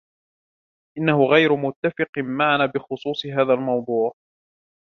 إنه غير متفق معنا بخصوص هذا الموضوع.